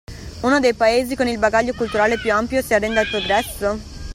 Uno dei paesi con il bagaglio culturale più ampio si arrende al progresso?